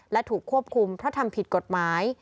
และถูกควบคุมเพราะทำผิดกฎหมาย